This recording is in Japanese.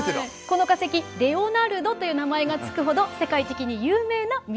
この化石レオナルドという名前が付くほど世界的に有名なミイラ化石なんです。